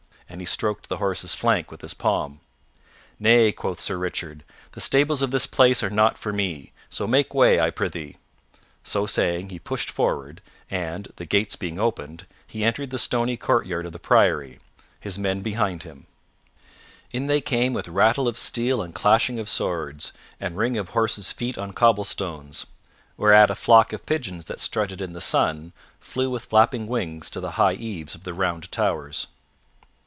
And he stroked the horse's flank with his palm. "Nay," quoth Sir Richard, "the stables of this place are not for me, so make way, I prythee." So saying, he pushed forward, and, the gates being opened, he entered the stony courtyard of the Priory, his men behind him. In they came with rattle of steel and clashing of swords, and ring of horses' feet on cobblestones, whereat a flock of pigeons that strutted in the sun flew with flapping wings to the high eaves of the round towers.